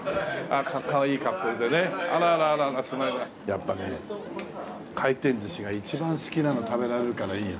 やっぱね回転寿司が一番好きなの食べられるからいいよ。